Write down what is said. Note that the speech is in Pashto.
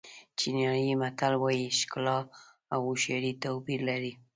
چینایي متل وایي ښکلا او هوښیاري توپیر لري.